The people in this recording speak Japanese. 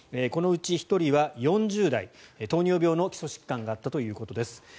このうち１人は４０代糖尿病の基礎疾患があったということです。